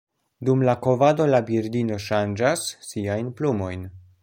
Dum la kovado la birdino ŝanĝas siajn plumojn.